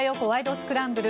スクランブル」。